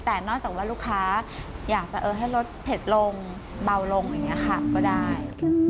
แต่นอกจากว่าลูกค้าอยากจะให้รสเผ็ดลงเบาลงอย่างนี้ค่ะก็ได้